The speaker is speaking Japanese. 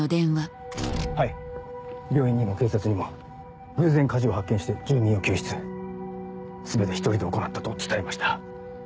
はい病院にも警察にも偶然火事を発見して住人を救出全て１人で行ったと伝えました。